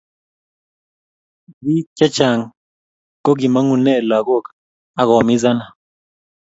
Bik chechang kokimangune lakok akoumizana